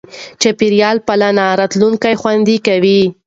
چاپېریال پالنه راتلونکی خوندي کوي.